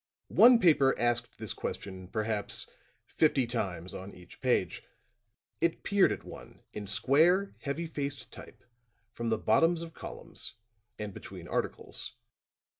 _" One paper asked this question perhaps fifty times on each page. It peered at one in square, heavy faced type from the bottoms of columns and between articles.